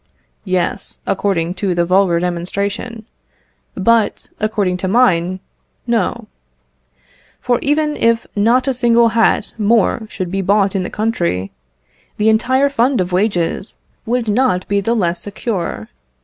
Yes, according to the vulgar demonstration; but, according to mine, No; for even if not a single hat more should be bought in the country, the entire fund of wages would not be the less secure.